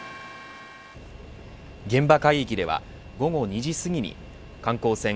現場海域では午後２時すぎに観光船